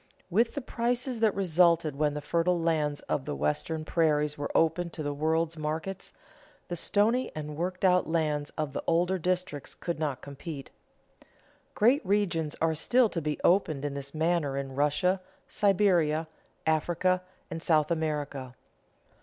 With the prices that resulted when the fertile lands of the Western prairies were opened to the world's markets, the stony and worked out lands of the older districts could not compete. Great regions are still to be opened in this manner in Russia, Siberia, Africa, and South America.